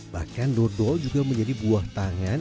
bahkan dodol juga menjadi buah tangan